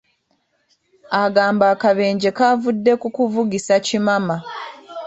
Agamba akabenje kavudde ku kuvugisa kimama .